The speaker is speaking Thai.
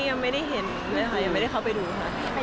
ยังไม่ได้เห็นเลยค่ะยังไม่ได้เข้าไปดูค่ะ